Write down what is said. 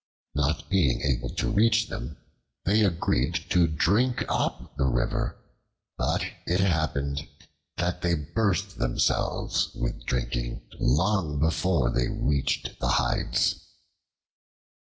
Not being able to reach them, they agreed to drink up the river, but it happened that they burst themselves with drinking long before they reached the hides.